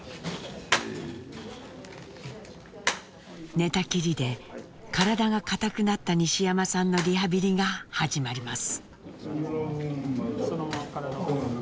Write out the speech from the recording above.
寝たきりで体が硬くなった西山さんのリハビリが始まります。